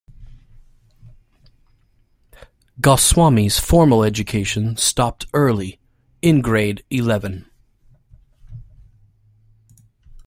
Goswami's formal education stopped early, in grade eleven.